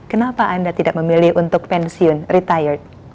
kenapa anda tidak memilih untuk pensiun retired